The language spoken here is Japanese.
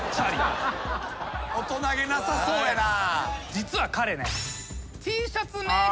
実は彼ね。